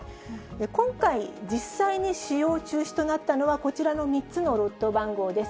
今回、実際に使用中止となったのはこちらの３つのロット番号です。